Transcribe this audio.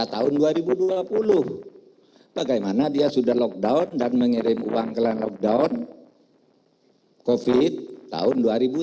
tahun dua ribu dua puluh bagaimana dia sudah lockdown dan mengirim uang ke lockdown covid tahun dua ribu sembilan belas